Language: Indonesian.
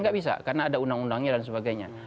nggak bisa karena ada undang undangnya dan sebagainya